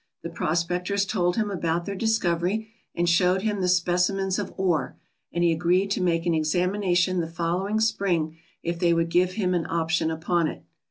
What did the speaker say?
The prospectors told him about their discovery and showed him the specimens of ore, and he agreed to make an examination the following spring if they would give him an option upon it.